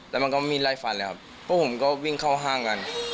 แล้วมันก็ไม่มีไรฝันเลยพวกผมก็วิ่งเข้าห้างกัน